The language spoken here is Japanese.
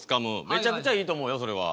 めちゃくちゃいいと思うよそれは。